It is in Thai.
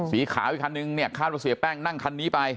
สีขาวอีกคันนึงเนี่ยคาดว่าเสียแป้งนั่งคันนี้ไป